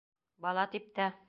Бала тип тә.